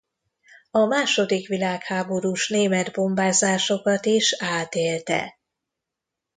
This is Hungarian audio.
A második világháborús német bombázásokat is átélte.